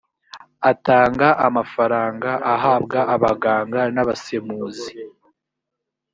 atanga amafaranga ahabwa abaganga n’abasemuzi